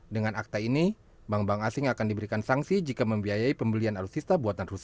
dengan akta ini bank bank asing akan diberikan sanksi jika membiayai pembelian alutsista buatan rusia